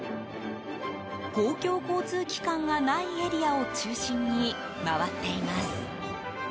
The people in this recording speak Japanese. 公共交通機関がないエリアを中心に回っています。